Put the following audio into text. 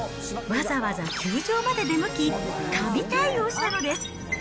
わざわざ球場まで出向き、神対応したのです。